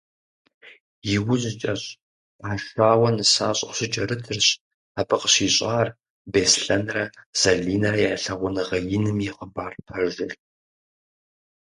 Иужькӏэщ, къашауэ нысащӏэу щыкӏэрытырщ, абы къыщищӏар Беслъэнрэ Залинэрэ я лъагъуныгъэ иным и хъыбар пэжыр.